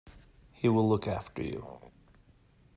He will look after you.